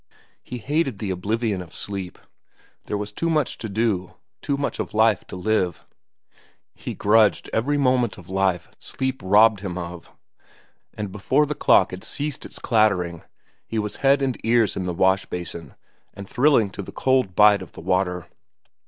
He hated the oblivion of sleep. There was too much to do, too much of life to live. He grudged every moment of life sleep robbed him of, and before the clock had ceased its clattering he was head and ears in the washbasin and thrilling to the cold bite of the water.